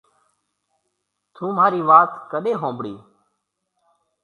ٿُون مهارِي وات ڪڏي هونبڙِي۔